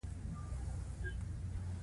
آسونه له ترکستان او ایران څخه راوړي.